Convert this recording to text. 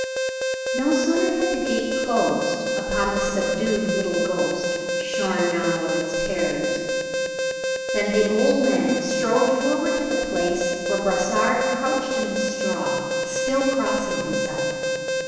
No sooner had the gate closed upon the subdued little ghost, shorn now of its terrors, than the old man strode forward to the place where Brossard crouched in the straw, still crossing himself.